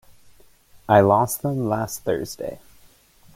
I lost them last Thursday.